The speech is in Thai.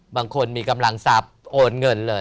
บางคนมีกำลังทรัพย์โอนเงินเลย